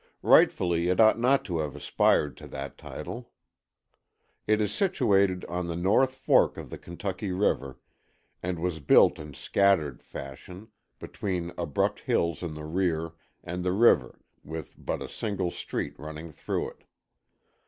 Rightfully it ought not to have aspired to that title. It is situated on the North Fork of the Kentucky River, and was built in scattered fashion, between abrupt hills in the rear and the river, with but a single street running through it.